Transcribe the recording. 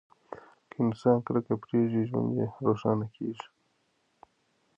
که انسان کرکه پریږدي، ژوند یې روښانه کیږي.